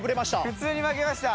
普通に負けました。